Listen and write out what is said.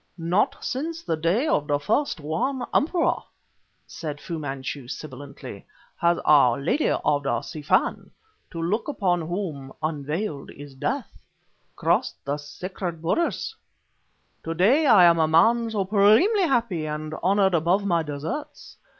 "Not since the day of the first Yuan Emperor," said Fu Manchu sibilantly, "has Our Lady of the Si Fan to look upon upon whom, unveiled, is death crossed the sacred borders. To day I am a man supremely happy and honored above my deserts.